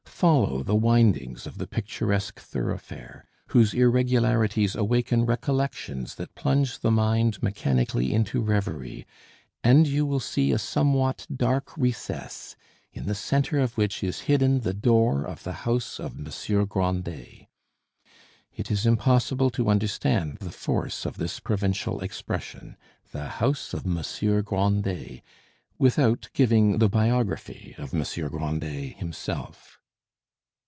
Follow the windings of the picturesque thoroughfare, whose irregularities awaken recollections that plunge the mind mechanically into reverie, and you will see a somewhat dark recess, in the centre of which is hidden the door of the house of Monsieur Grandet. It is impossible to understand the force of this provincial expression the house of Monsieur Grandet without giving the biography of Monsieur Grandet himself.